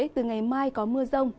từ ngày mai có mưa rông